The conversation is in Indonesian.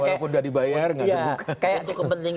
walaupun udah dibayar gak terbuka